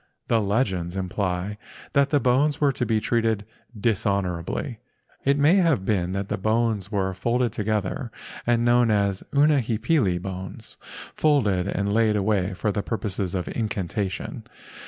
The legends imply that the bones were to be treated dishonorably. It may have been that the bones were folded together THE GHOST OF WAHAULA TEMPLE 9 and known as unihipili, bones, folded and laid away for purposes of incantation.